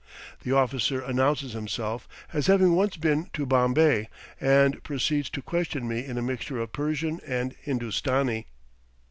The officer announces himself as having once been to Bombay, and proceeds to question me in a mixture of Persian and Hindostani.